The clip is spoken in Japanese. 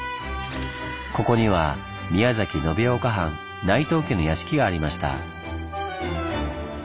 ここには宮崎延岡藩内藤家の屋敷がありました。